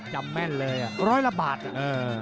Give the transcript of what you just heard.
จำแม่นเลยอ่ะร้อยละบาทเนี่ย